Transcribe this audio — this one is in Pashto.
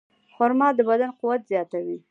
خرما د بدن قوت زیاتوي.